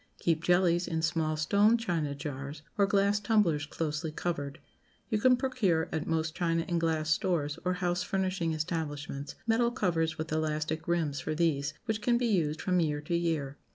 Keep jellies in small stone china jars, or glass tumblers closely covered. You can procure at most china and glass stores, or house furnishing establishments, metal covers with elastic rims for these, which can be used from year to year.